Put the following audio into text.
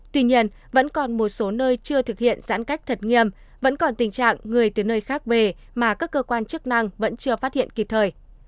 tuy nhiên vẫn còn một số nơi chưa thực hiện giãn cách thật nghiêm vẫn còn tình trạng người từ nơi khác về mà các cơ quan chức năng vẫn chưa phát hiện kịp thời